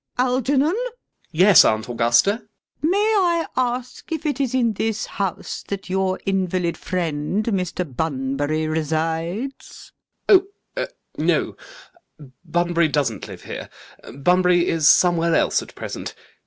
ALGERNON. Yes, Aunt Augusta. LADY BRACKNELL. May I ask if it is in this house that your invalid friend Mr. Bunbury resides? ALGERNON. [Stammering.] Oh! No! Bunbury doesn't live here. Bunbury is somewhere else at present.